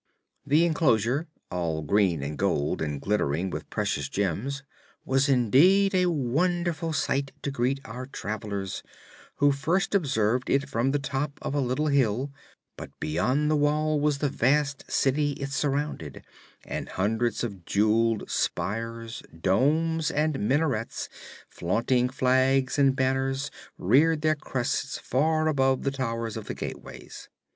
This enclosure, all green and gold and glittering with precious gems, was indeed a wonderful sight to greet our travelers, who first observed it from the top of a little hill; but beyond the wall was the vast city it surrounded, and hundreds of jeweled spires, domes and minarets, flaunting flags and banners, reared their crests far above the towers of the gateways.